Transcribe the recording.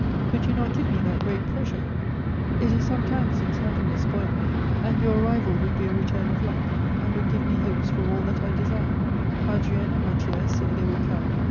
Could you not give me that great pleasure? It is some time since happiness spoilt me, and your arrival would be a return of luck and would give me hopes for all that I desire. Adrien and Mathieu say they will come.